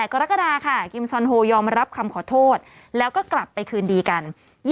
กรกฎาค่ะกิมซอนโฮยอมรับคำขอโทษแล้วก็กลับไปคืนดีกัน